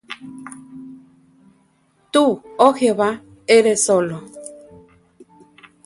Tú, oh Jehová, eres solo;